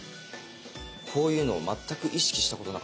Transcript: こういうのを全く意識したことなかったです。